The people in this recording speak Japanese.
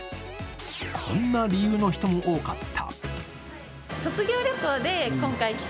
こんな理由の人も多かった。